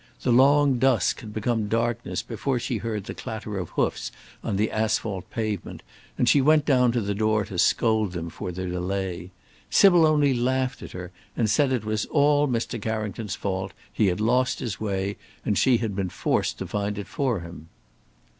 The long dusk had become darkness before she heard the clatter of hoofs on the asphalt pavement, and she went down to the door to scold them for their delay. Sybil only laughed at her, and said it was all Mr. Carrington's fault: he had lost his way, and she had been forced to find it for him.